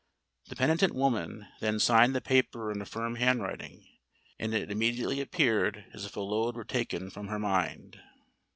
The penitent woman then signed the paper in a firm handwriting; and it immediately appeared as if a load were taken from her mind.